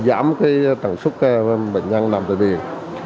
giảm trần sức bệnh nhân nằm tại biển